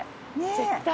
絶対。